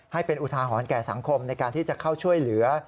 ให้เป็นอุทาหรณ์แก่สังคมในการที่จะเข้าช่วยเหลือ